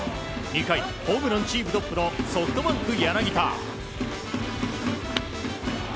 ２回、ホームランチームトップのソフトバンク柳田。